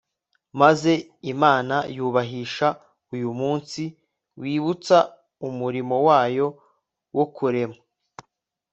maze Imana yubahisha uyu munsi wibutsa umurimo wayo wo kurema